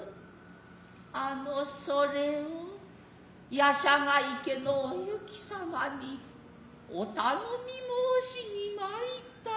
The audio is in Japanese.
あのそれを夜叉ケ池のお雪様にお頼み申しに参つたのだよ。